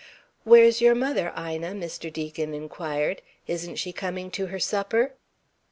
"Where's your mother, Ina?" Mr. Deacon inquired. "Isn't she coming to her supper?"